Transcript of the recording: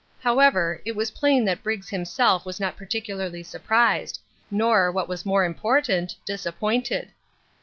However, it was plain that Briggs himself was not particularly surprised, nor, what was more important, disappointed.